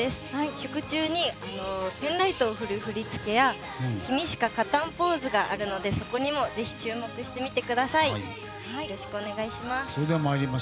曲中にペンライトを振る振り付けや「君しか勝たん」ポーズがあるのでそこにもぜひ注目してみてください。